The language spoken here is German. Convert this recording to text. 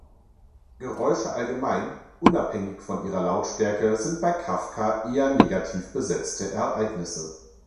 Geräusche allgemein, unabhängig von ihrer Lautstärke, sind bei Kafka eher negativ besetzte Ereignisse.